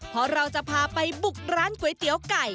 เพราะเราจะพาไปบุกร้านก๋วยเตี๋ยวไก่